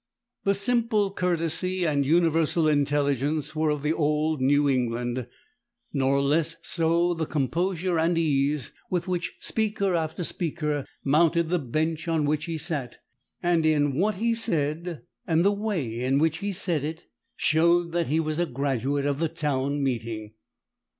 The simple courtesy and universal intelligence were of the old New England, nor less so the composure and ease with which speaker after speaker mounted the bench on which he sat, and in what he said, and the way in which he said it, showed that he was a graduate of the town meeting.